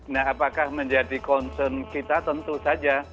nah apakah menjadi concern kita tentu saja